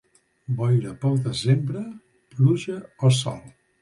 Boira pel desembre, pluja o sol.